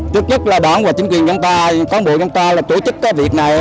trước nhất là đoán vào chính quyền chúng ta quán bộ chúng ta tổ chức cái việc này